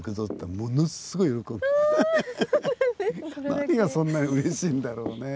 何がそんなにうれしいんだろうね。